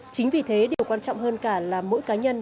chính vì thế điều quan trọng hơn cả là mỗi cá nhân